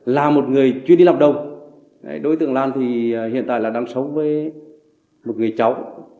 là một người chuyên đi làm đồng đối tượng lan thì hiện tại là đang sống với một người cháu